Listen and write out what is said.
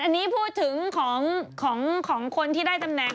อันนี้พูดถึงของคนที่ได้ตำแหน่ง